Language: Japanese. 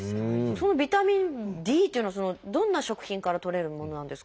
そのビタミンＤというのはどんな食品からとれるものなんですか？